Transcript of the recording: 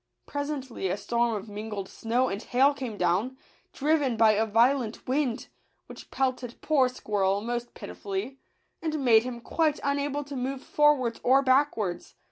Presently a storm of mingled snow and hail came down, driven by a violent wind, which pelted poor Squirrel most piti fully, and made him quite unable to move forwards or backwards.